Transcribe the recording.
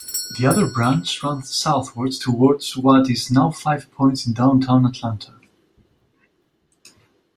The other branch ran southwards towards what is now Five Points in Downtown Atlanta.